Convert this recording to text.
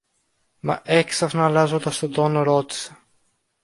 Μα έξαφνα αλλάζοντας τόνο ρώτησε